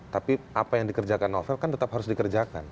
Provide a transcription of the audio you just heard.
tapi apa yang dikerjakan novel kan tetap harus dikerjakan